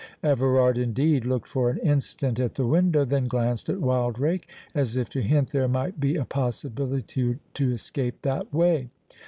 Everard, indeed, looked for an instant at the window, then glanced at Wildrake, as if to hint there might be a possibility to escape that way.